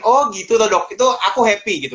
oh gitu tuh dok itu aku happy gitu